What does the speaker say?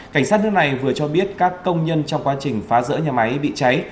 cảnh sát nước này vừa cho biết các công nhân trong quá trình phá rỡ nhà máy bị cháy